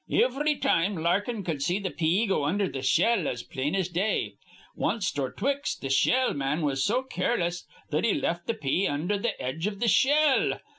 Ivry time Larkin cud see th' pea go undher th' shell as plain as day. Wanst or twict th' shell man was so careless that he left th' pea undher th' edge iv th' shell.